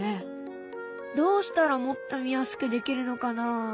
どうしたらもっと見やすくできるのかな？